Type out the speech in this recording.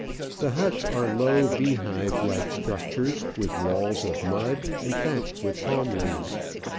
The huts are low, beehive like structures, with walls of mud and thatched with palm leaves.